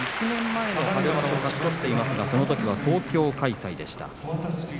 １年前の春場所も勝ち越していますが、そのときは東京開催でした。